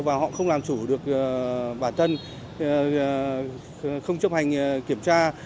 và họ không làm chủ được bản thân không chấp hành kiểm tra